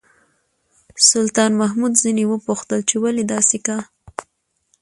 سلطان محمود ځنې وپوښتل چې ولې داسې کا.